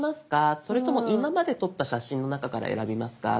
それとも「今まで撮った写真の中から選びますか？」